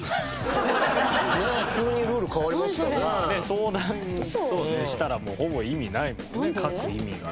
相談したらほぼ意味ないもんね書く意味がね。